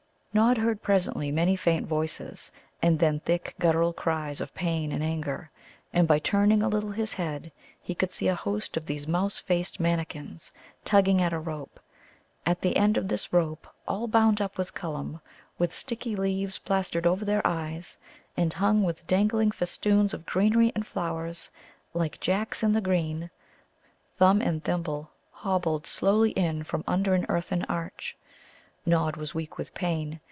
Nod heard presently many faint voices, and then thick guttural cries of pain and anger. And by turning a little his head he could see a host of these mouse faced mannikins tugging at a rope. At the end of this rope, all bound up with Cullum, with sticky leaves plastered over their eyes, and hung with dangling festoons of greenery and flowers, like jacks in the green, Thumb and Thimble hobbled slowly in from under an earthen arch. Nod was weak with pain.